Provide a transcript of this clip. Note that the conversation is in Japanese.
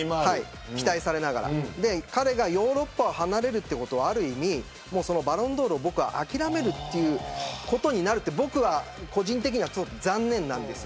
彼がヨーロッパを離れるということはある意味、バロンドールを諦めるということになると僕は個人的には残念なんです。